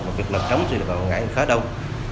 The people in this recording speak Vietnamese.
và việc lập trống trên địa bàn quảng ngãi khá đông